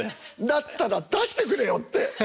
だったら出してくれよって。